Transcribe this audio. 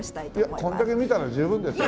いやこれだけ見たら十分ですよ。